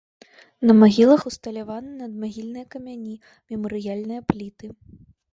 На магілах усталяваны надмагільныя камяні, мемарыяльныя пліты.